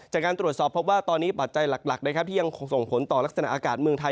จากการตรวจสอบพบว่าตอนนี้ปัจจัยหลักนะครับที่ยังคงส่งผลต่อลักษณะอากาศเมืองไทย